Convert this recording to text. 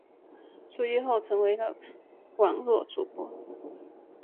出狱后成为了网络主播。